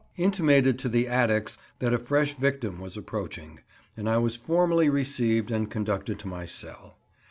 intimated to the attics that a fresh victim was approaching, and I was formally received and conducted to my cell.